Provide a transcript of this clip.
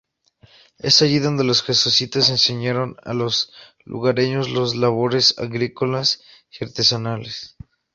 Es allí donde los jesuitas enseñaron a los lugareños las labores agrícolas y artesanales.